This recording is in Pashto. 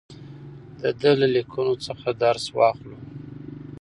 د ده له لیکنو څخه درس واخلو.